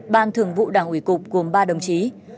ban thường vụ đảng ủy cục gồm ba đồng chí